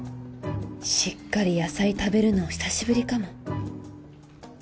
しっかり野菜食べるの久しぶりかも